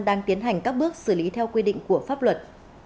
đang tiến hành các bước xử lý theo quy định của pháp luật